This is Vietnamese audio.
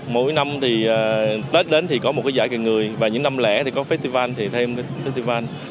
mỗi năm tết đến thì có một giải cờ người và những năm lẻ thì có festival thì thêm festival